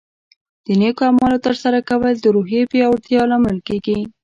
د نیکو اعمالو ترسره کول د روحیې پیاوړتیا لامل کیږي.